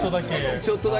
ちょっとだけ。